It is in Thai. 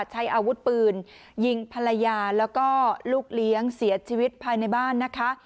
ใช้อาวุธปืนยิงภรรยาแล้วก็ลูกเลี้ยงเสียชีวิตภายในบ้านนะคะ